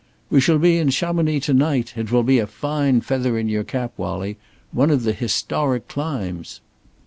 "We shall be in Chamonix to night. It will be a fine feather in your cap, Wallie. One of the historic climbs!"